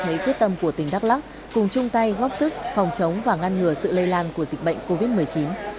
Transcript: đã cho thấy quyết tâm của tỉnh đắk lắk cùng chung tay góp sức phòng chống và ngăn ngừa sự lây lan của dịch bệnh covid một mươi chín